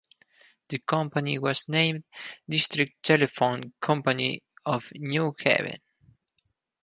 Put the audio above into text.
The company was named District Telephone Company of New Haven.